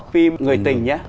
phim người tình